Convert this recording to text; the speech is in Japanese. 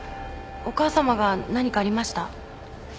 お母さまが何かありました？